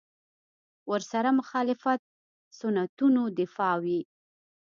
ورسره مخالفت سنتونو دفاع وي.